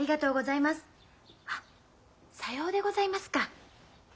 あっさようでございますか。